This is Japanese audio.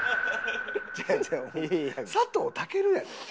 違う違う佐藤健やで？